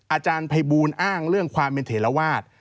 อาจารย์ภัยบูลอ้างเรื่องความเป็นเถระวาส